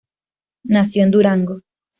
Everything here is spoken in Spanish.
Nació en Durango.